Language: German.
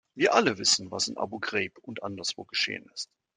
Wir alle wissen, was in Abu Ghraib und anderswo geschehen ist.